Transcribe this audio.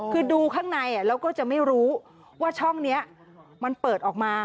คือดูข้างในแล้วก็จะไม่รู้ว่าช่องนี้มันเปิดออกมา